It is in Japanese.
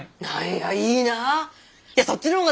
ああいいな。